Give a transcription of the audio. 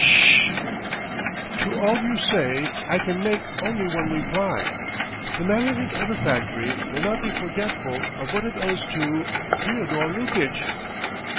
Sh h! To all you say I can make only one reply: the management of the factory will not be forgetful of what it owes to Fyodor Lukitch!